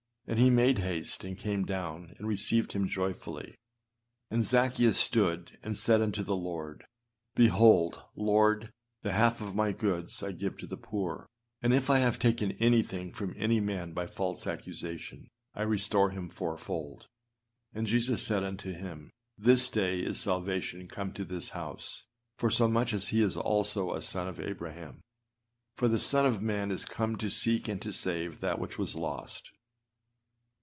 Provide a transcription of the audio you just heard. â And he made haste, and came down, and received him joyfully. âAnd Zaccheus stood, and said unto the Lord; Behold, Lord, the half of my goods I give to the poor; and if I have taken anything from any man by false accusation, I restore him fourfold. And Jesus said unto him, This day is salvation come to this house, forsomuch as he also is a son of Abraham. For the Son of man is come to seek and to save that which was lost.